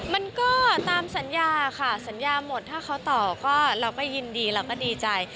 มันก็ตามสัญญาค่ะสัญญาหมดถ้าเขาต่อก็เราก็ยินดีเราก็ดีใจ